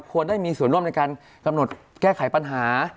ควรได้มีส่วนร่วมในการกำหนดแก้ไขปัญหา